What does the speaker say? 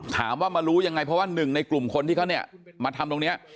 ถามว่ามารู้ยังไงเพราะว่าหนึ่งในกลุ่มคนที่เขาเนี่ยมาทำตรงนี้